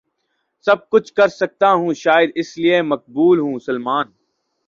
سب کچھ کرسکتا ہوں شاید اس لیے مقبول ہوں سلمان